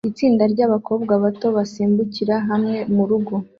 Itsinda ryabakobwa bato basimbukira hamwe murugo